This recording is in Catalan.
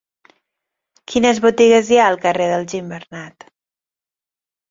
Quines botigues hi ha al carrer dels Gimbernat?